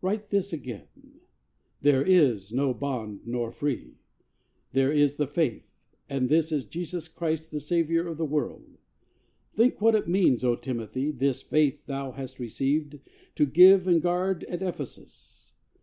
Write this again: There is no bond nor free! This is the Faith; and this is Jesus Christ, The Saviour of the world! Think what it means, O Timothy, this Faith thou hast received To give and guard at Ephesus.